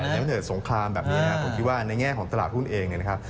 ถ้าเกิดสงครามแบบนี้นะครับผมคิดว่าในแง่ของตลาดหุ้นเองเนี่ยนะครับ